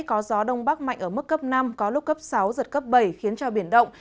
có gió đông bắc mạnh ở mức cấp năm có lúc cấp sáu giật cấp bảy khiến cho biển động